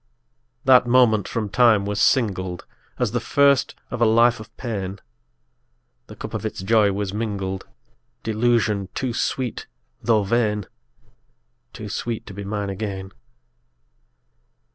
_10 3. That moment from time was singled As the first of a life of pain; The cup of its joy was mingled Delusion too sweet though vain! Too sweet to be mine again.